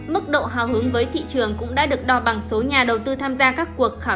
mức độ hào hứng với thị trường cũng đã được đo bằng số nhà đầu tư tham gia các cuộc khảo